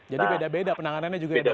jadi beda beda penanganannya juga ya dok ya